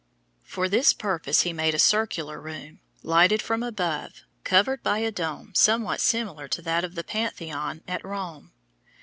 For this purpose he made a circular room, lighted from above, covered by a dome somewhat similar to that of the Pantheon at Rome.